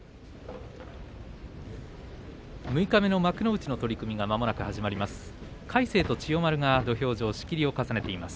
六日目の幕内の土俵がまもなく始まります。